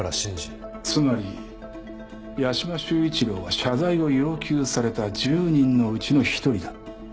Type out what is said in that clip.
つまり屋島修一郎は謝罪を要求された１０人のうちの一人だ。